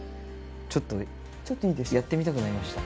ちょっとやってみたくなりました。